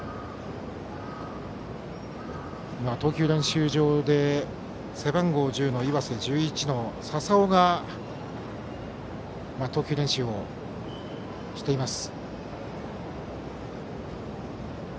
投球練習場で背番号１０の岩瀬背番号１１の笹尾が投球練習をしています。